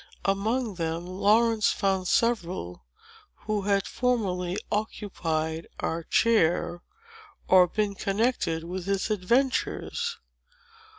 Among them Laurence found several who had formerly occupied our chair, or been connected with its adventures.